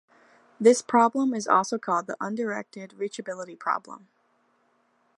This problem is also called the undirected reachability problem.